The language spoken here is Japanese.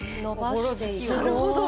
なるほど。